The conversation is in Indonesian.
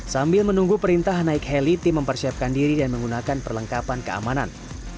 sambil menunggu perintah naik heli tim mempersiapkan diri dan menggunakan perlengkapan keamanan